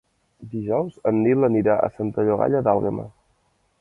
Dijous en Nil anirà a Santa Llogaia d'Àlguema.